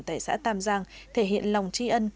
tại xã tam giang thể hiện lòng tri ân